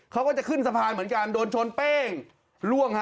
เขาก็จะขึ้นสะพานเหมือนกันโดนชนเป้งล่วงฮะ